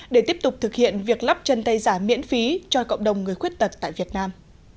để tiếp tục thực hiện việc lắp chân tay giả miễn phí cho cộng đồng người khuyết tật tại việt nam